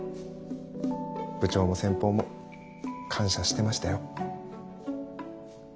部長も先方も感謝してましたよ。